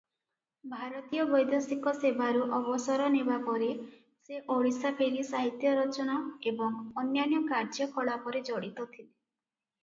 ଭାରତୀୟ ବୈଦେଶିକ ସେବାରୁ ଅବସର ନେବା ପରେ ସେ ଓଡ଼ିଶା ଫେରି ସାହିତ୍ୟ ରଚନା ଏବଂ ଅନ୍ୟାନ୍ୟ କାର୍ଯ୍ୟକଳାପରେ ଜଡ଼ିତ ଥିଲେ ।